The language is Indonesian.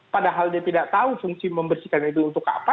padahal dia tidak tahu fungsi membersihkan itu untuk apa